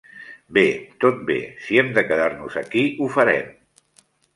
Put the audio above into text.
Bé, tot bé. Si hem de quedar-nos aquí, ho farem.